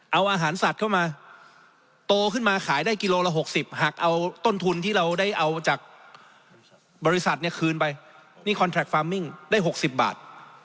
เอาอาหารสัตว์เข้ามาโตขึ้นมาขายได้กิโลละ๖๐หักเอาต้นทุนที่เราได้เอาจากบริษัทเนี่ยคืนไปนี่คอนแทรคฟาร์มมิ่งได้๖๐บาท